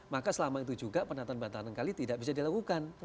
maka selama itu juga penataan bantaran kali tidak bisa dilakukan